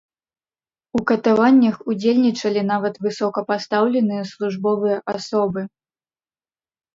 У катаваннях удзельнічалі нават высокапастаўленыя службовыя асобы.